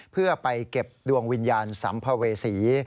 เพื่อไปเก็บดวงวิญญาณสัมภเวษี